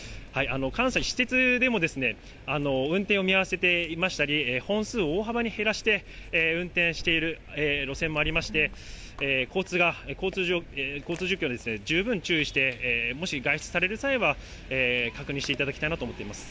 関西、私鉄でも、運転を見合わせていましたり、本数を大幅に減らして運転している路線もありまして、交通状況、十分注意して、もし外出される際は確認していただきたいなと思っています。